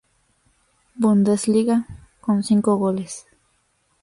Bundesliga, con cinco goles.